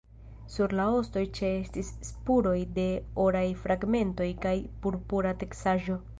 Sur la ostoj ĉeestis spuroj de oraj fragmentoj kaj purpura teksaĵo.